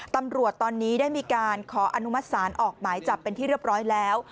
ตำรวจตอนนี้ได้มีการขออนุมัติศาลออกหมายจับเป็นที่เรียบร้อยแล้ว